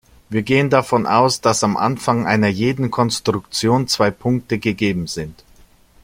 Wir gehen davon aus, dass am Anfang einer jeden Konstruktion zwei Punkte gegeben sind.